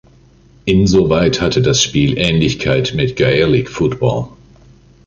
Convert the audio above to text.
Insoweit hatte das Spiel Ähnlichkeit mit Gaelic Football.